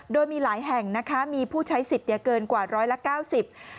โดยมีหลายแห่งนะคะมีผู้ใช้สิทธิ์เนี่ยเกินกว่าร้อยละเก้าสิบ